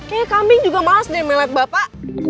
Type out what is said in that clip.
kayaknya kambing juga males deh melek bapak